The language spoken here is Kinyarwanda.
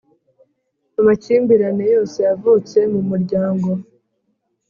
amakimbirane yose avutse mu muryango .